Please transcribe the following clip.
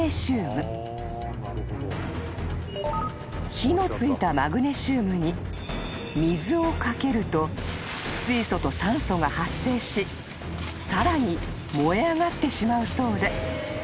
［火のついたマグネシウムに水をかけると水素と酸素が発生しさらに燃え上がってしまうそうで］